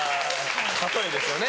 ・例えですよね